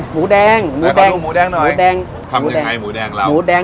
เครื่องฟูงต่างเข้าไปนิดนึง